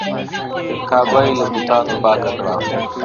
کعبه یې له بتانو پاکه کړه.